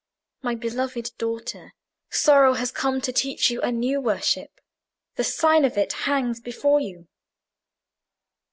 My beloved daughter, sorrow has come to teach you a new worship: the sign of it hangs before you."